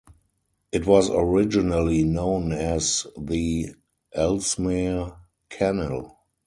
It was originally known as the Ellesmere Canal.